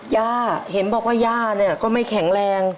ย่าเห็นบอกว่าย่าเนี่ยก็ไม่แข็งแรง